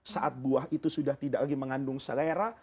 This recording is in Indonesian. saat buah itu sudah tidak lagi mengandung selera